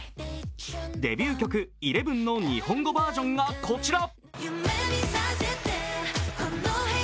デビュー曲「ＥＬＥＶＥＮ」の日本語バージョンがこちら。